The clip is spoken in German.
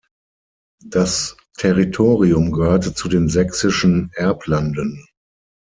Das Territorium gehörte zu den sächsischen Erblanden.